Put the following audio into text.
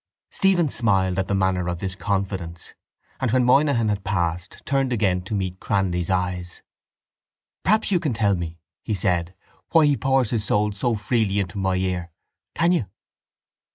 Stephen smiled at the manner of this confidence and, when Moynihan had passed, turned again to meet Cranly's eyes. —Perhaps you can tell me, he said, why he pours his soul so freely into my ear. Can you?